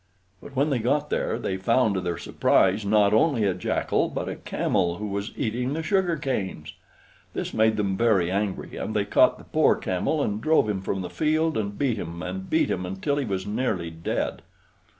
But when they got there they found to their surprise not only a Jackal, but a Camel who was eating the sugarcanes! This made them very angry, and they caught the poor Camel and drove him from the field and beat him and beat him until he was nearly dead.